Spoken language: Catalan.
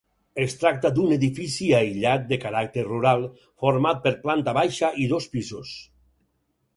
Es tracta d'un edifici aïllat de caràcter rural format per planta baixa i dos pisos.